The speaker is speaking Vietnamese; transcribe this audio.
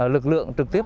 lực lượng trực tiếp